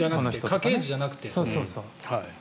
家系図じゃなくて。